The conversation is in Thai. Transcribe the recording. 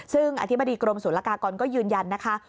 ซึ่งอธิบดีกรมศูนย์ละกากรก็ยืนยันนะคะ